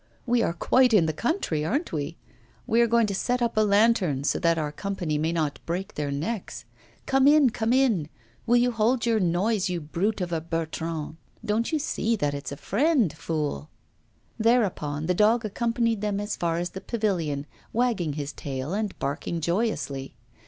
We are quite in the country, aren't we? We are going to set up a lantern, so that our company may not break their necks. Come in, come in! Will you hold your noise, you brute of a Bertrand? Don't you see that it's a friend, fool?' Thereupon the dog accompanied them as far as the pavilion, wagging his tail and barking joyously.